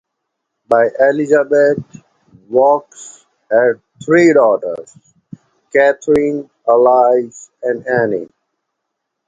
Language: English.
By Elizabeth, Vaux had three daughters; Katherine, Alice, and Anne.